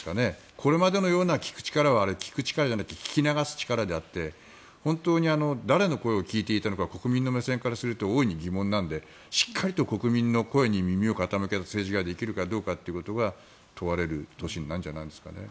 これまでのような聞く力はあれは聞く力じゃなくて聞き流す力であって本当に誰の声を聞いていたのか国民の目線からすると大いに疑問なのでしっかりと国民に耳を傾けた政治ができるかどうかということが問われる年になるんじゃないですかね。